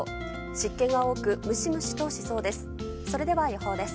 湿気が多くムシムシとしそうです。